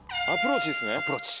アプローチですね。